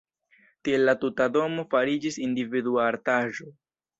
Tiel la tuta domo fariĝis individua artaĵo.